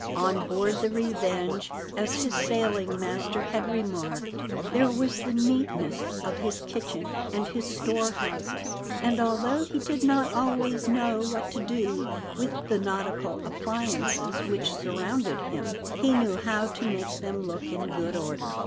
On board the Revenge, as his sailing master had remarked, there was the neatness of his kitchen and his store houses; and, although he did not always know what to do with the nautical appliances which surrounded him, he knew how to make them look in good order.